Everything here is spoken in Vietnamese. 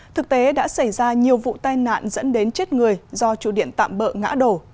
thực tế đã xảy ra nhiều vụ tai nạn dẫn đến chết người do trụ điện tạm bỡ ngã đổ